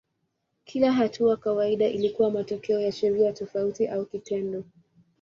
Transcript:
Kila hatua kawaida ilikuwa matokeo ya sheria tofauti au kitendo.